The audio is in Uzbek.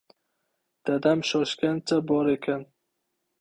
Dadam shoshgancha bor ekan.